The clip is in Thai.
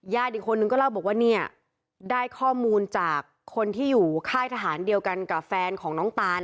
อีกคนนึงก็เล่าบอกว่าเนี่ยได้ข้อมูลจากคนที่อยู่ค่ายทหารเดียวกันกับแฟนของน้องตาน